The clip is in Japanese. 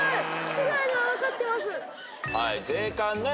違うのは分かってます。